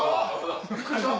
びっくりした。